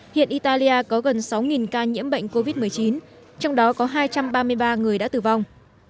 hiện italia có gần sáu ca nhiễm bệnh covid một mươi chín trong đó có hai trăm ba mươi ba người đã tử vong